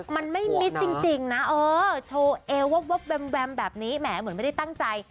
มันไม่มิดจริงโชว์แบบนี้แหม่เหมือนไม่ได้ตั้งใจ